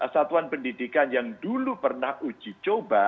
satuan pendidikan yang dulu pernah uji coba